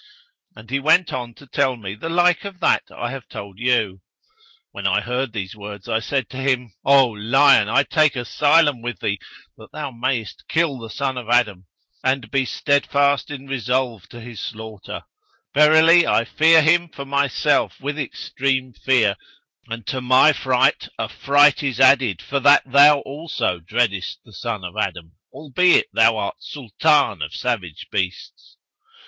And he went on to tell me the like of that I have told you. When I heard these words, I said to him, 'O lion, I take asylum with thee, that thou mayest kill the son of Adam and be steadfast in resolve to his slaughter; verily I fear him for myself with extreme fear and to my fright affright is added for that thou also dreadest the son of Adam, albeit thou art Sultan of savage beasts.'